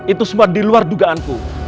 itu semua di luar dugaanku